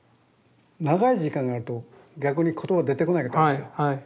長い時間やると逆に言葉出てこなかったんですよ。